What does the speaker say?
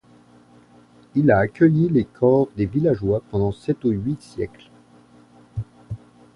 Il a accueilli les corps des villageois pendant sept ou huit siècles.